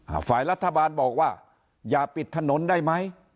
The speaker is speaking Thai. ฝ่ายรัฐบาลบอกว่าอย่าปิดถนนได้ไหม